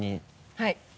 はい。